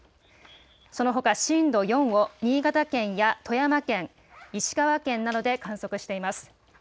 そのほか震度４を新潟県や富山県、石川県などで観測しています。